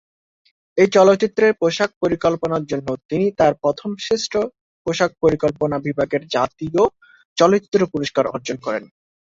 এই চলচ্চিত্রের পোশাক পরিকল্পনার জন্য তিনি তার প্রথম শ্রেষ্ঠ পোশাক পরিকল্পনা বিভাগে জাতীয় চলচ্চিত্র পুরস্কার অর্জন করেন।